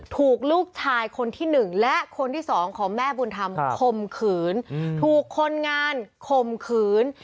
ถูกลูกชายคนที่๑และคนที่สองของแม่บุญธรรมคมขืนถูกคนงานข่มขืน